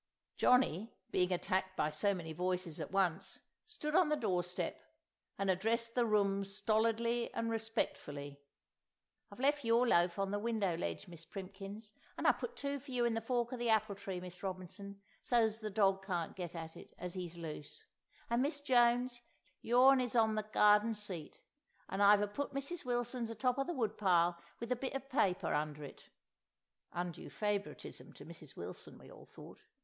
Johnny, being attacked by so many voices at once, stood on the doorstep and addressed the room stolidly and respectfully— "I've lef' your loaf on the window ledge, Miss Primkins; an' I put two for you in the fork of the apple tree, Miss Robinson, so's the dog can't get at it, as he's loose; an' Miss Jones, your'n is on the garden seat; and I've a put Mrs. Wilson's a top of the wood pile wiv a bit of paper under it"—(undue favouritism to Mrs. Wilson, we all thought!)